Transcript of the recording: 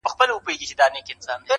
• پلرونو یې په وینو رنګولي ول هډونه -